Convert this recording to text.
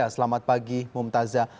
selamat pagi mumtazah